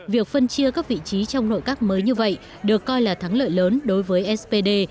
việc phân chia các vị trí trong nội các mới như vậy được coi là thắng lợi lớn đối với spd